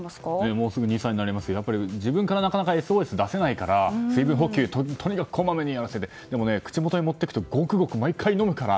もうすぐ２歳になりますが自分からＳＯＳを出せないので水分補給をこまめにやらせてでも、口元に持っていくとゴクゴク毎回飲むから。